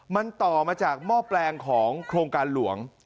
มันต่อมาจากหม้อแปลงของโครงการหลวง